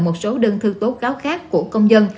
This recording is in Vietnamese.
một số đơn thư tố cáo khác của công dân